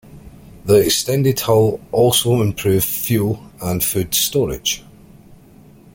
The extended hull also improved fuel and food storage.